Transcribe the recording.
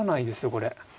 これ。